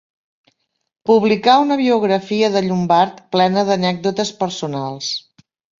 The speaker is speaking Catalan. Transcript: Publicà una biografia de Llombart plena d'anècdotes personals.